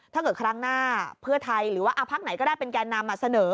ครั้งหน้าเพื่อไทยหรือว่าพักไหนก็ได้เป็นแก่นำมาเสนอ